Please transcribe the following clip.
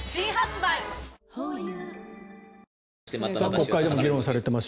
国会でも議論されています